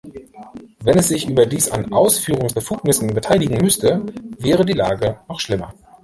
Wenn es sich überdies an Ausführungsbefugnissen beteiligen müsste, wäre die Lage noch schlimmer.